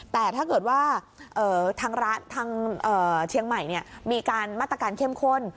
แต่ถ้าเกิดว่าทางเชียงใหม่มีการมาตรการเข้มข้น